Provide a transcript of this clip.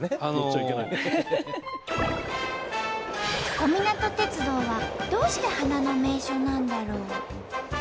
小湊鉄道はどうして花の名所なんだろう？